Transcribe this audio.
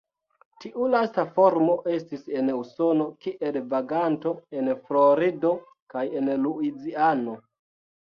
Tiu lasta formo estis en Usono kiel vaganto en Florido kaj en Luiziano.